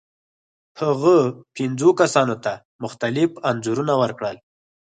هغه پنځو کسانو ته مختلف انځورونه ورکړل.